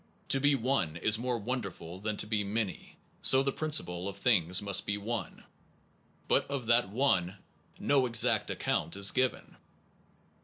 To be One is Kinds of more wonderful than to be many, so the principle of things must be One, but of that One no exact account is given.